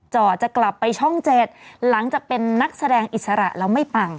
จ่อจะกลับไปช่อง๗หลังจากเป็นนักแสดงอิสระแล้วไม่ปัง